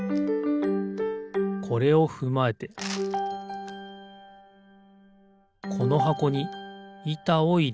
これをふまえてこのはこにいたをいれる。